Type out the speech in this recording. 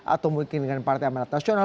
atau mungkin dengan partai amanat nasional